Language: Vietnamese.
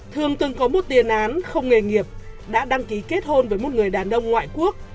thường từng có một tiền án không nghề nghiệp đã đăng ký kết hôn với một người đàn ông ngoại quốc